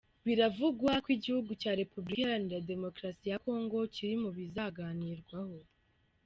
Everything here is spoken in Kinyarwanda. Biravugwa ko igihugu cya Repubulika iharanira Demokarasi ya Congo kiri mu bizaganirwaho.